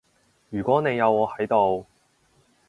如果你有我喺度